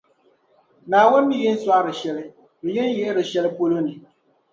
Naawuni mi yi ni sɔɣiri shɛli, ni yi ni yihiri shεli polo ni.